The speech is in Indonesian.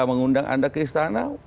mengundang anda ke istana